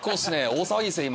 大騒ぎですね